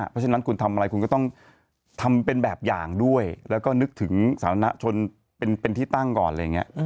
เพราะฉะนั้นคุณทำอะไรคุณก็ต้องทำเป็นแบบอย่างด้วยแล้วก็นึกถึงสาธารณชนเป็นที่ตั้งก่อนอะไรอย่างนี้